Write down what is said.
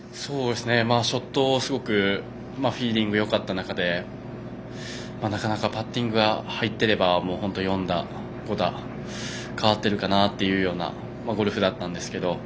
ショットがすごくフィーリングよかった中でパッティングが入っていれば４打、５打変わっているかなというゴルフだったんですけど。